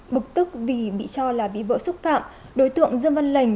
bực tức vì bị cho là bị vỡ xúc phạm đối tượng dân văn lãnh